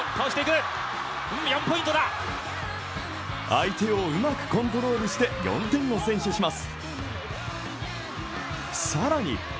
相手をうまくコントロールして４点を先取します。